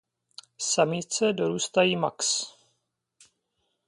Samice dorůstají max.